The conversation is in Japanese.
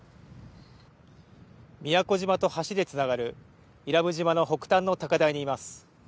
宮古島と橋でつながる伊良部島の北端の高台にいます。